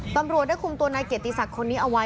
ตำรวจได้คุมตัวนายเกียรติศักดิ์คนนี้เอาไว้